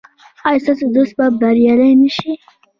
ایا ستاسو دوست به بریالی نه شي؟